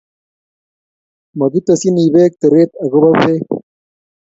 Mokitesyin beek teret ago bo beek